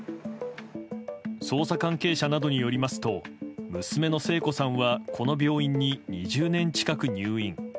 捜査関係者などによりますと娘の聖子さんはこの病院に、２０年近く入院。